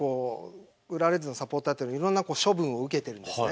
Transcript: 浦和レッズのサポーターはいろんな処分を受けてるんです。